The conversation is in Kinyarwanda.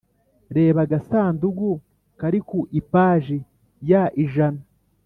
(reba agasanduku kari ku ipaji ya ijana